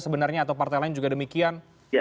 sebenarnya atau partai lain juga demikian